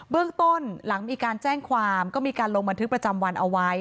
เรื่องต้นหลังมีการแจ้งความก็มีการลงบันทึกประจำวันเอาไว้